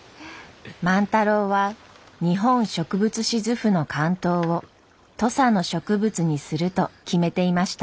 万太郎は「日本植物志図譜」の巻頭を土佐の植物にすると決めていました。